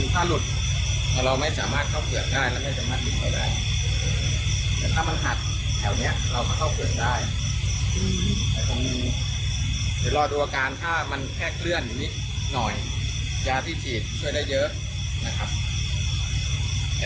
เดี๋ยวรอดอวการถ้ามันแค่เคลื่อนนิดหน่อยยาที่ฉีดช่วยได้เยอะนะครับ